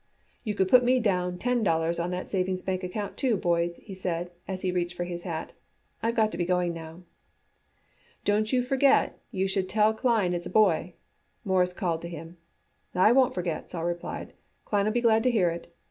"You could put me down ten dollars on that savings bank account, too, boys," he said as he reached for his hat. "I've got to be going now." "Don't forget you should tell Klein it's a boy," Morris called to him. "I wouldn't forget," Sol replied. "Klein'll be glad to hear it.